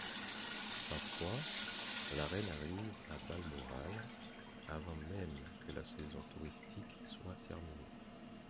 Parfois, la Reine arrive à Balmoral avant même que la saison touristique soit terminée.